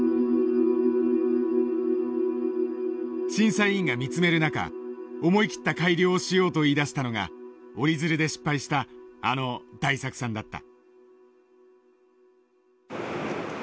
審査委員が見つめる中思い切った改良をしようと言いだしたのが折り鶴で失敗したあの大作さんだった。